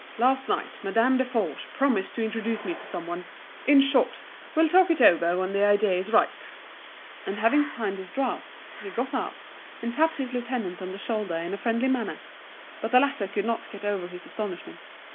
Last night Madame Desforges promised to introduce me to some one. In short, we'll talk it over when the idea is ripe." And having finished signing his drafts, he got up, and tapped his lieutenant on the shoulder in a friendly manner, but the latter could not get over his astonishment.